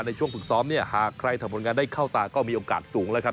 ในช่วงฝึกซ้อมเนี่ยหากใครทำผลงานได้เข้าตาก็มีโอกาสสูงแล้วครับ